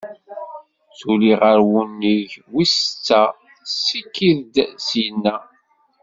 Tuli ɣer wunnig wis-setta, tessikid-d ssyinna.